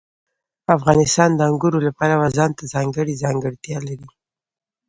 افغانستان د انګورو له پلوه ځانته ځانګړې ځانګړتیا لري.